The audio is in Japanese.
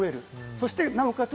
そしてなおかつ